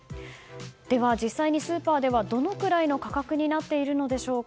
では、実際にスーパーではどのくらいの価格になっているのでしょうか。